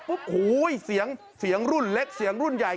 หู๊ยเสียงรุ่นเล็กเสียงรุ่นใหญ่